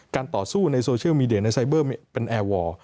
ต่อสู้ในโซเชียลมีเดียในไซเบอร์เป็นแอร์วอร์